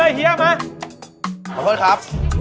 เข้าเที่ยวไหมขอโทษครับ